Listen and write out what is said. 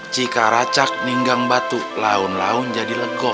jika racak ninggang batu laun laun jadi legok